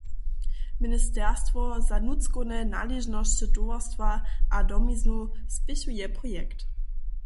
Ministerstwo za nutřkowne naležnosće, twarstwo a domiznu spěchuje projekt.